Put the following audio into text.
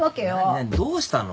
何何どうしたの。